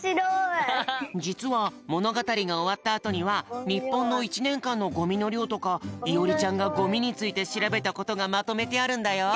じつはものがたりがおわったあとにはにっぽんの１ねんかんのゴミのりょうとかいおりちゃんがゴミについてしらべたことがまとめてあるんだよ。